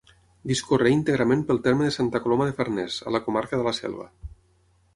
Discorre íntegrament pel terme de Santa Coloma de Farners, a la comarca de la Selva.